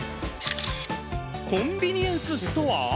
コンビニエンスストア？